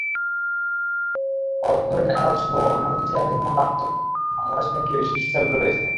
অর্থঋণ আদালতসহ অন্যান্য বিচারাধীন মামলা তদারকির জন্য বাংলাদেশ ব্যাংকে বিশেষ সেল রয়েছে।